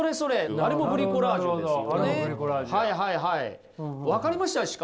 はい分かりました。